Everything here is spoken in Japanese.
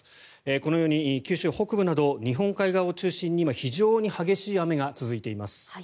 このように九州北部など日本海側を中心に今、非常に激しい雨が続いています。